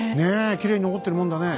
きれいに残ってるもんだね。